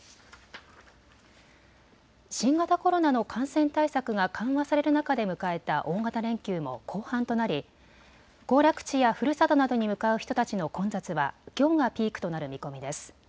新型コロナの感染対策が緩和される中で迎えた大型連休も後半となり行楽地やふるさとなどに向かう人たちの混雑はきょうがピークとなる見込みです。